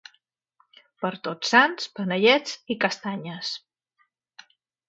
Per Tots Sants panellets i castanyes